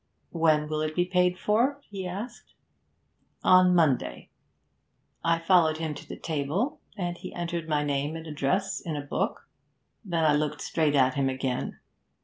"When will it be paid for?" he asked. "On Monday." 'I followed him to the table, and he entered my name and address in a book. Then I looked straight at him again.